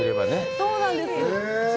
そうなんです。